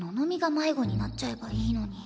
迷子になっちゃえばいいのに。